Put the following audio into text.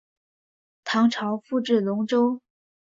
唐朝复置龙州。